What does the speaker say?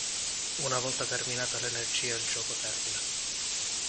Una volta terminata l'energia il gioco termina.